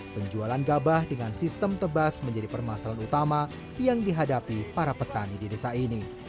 penjualan gabah dengan sistem tebas menjadi permasalahan utama yang dihadapi para petani di desa ini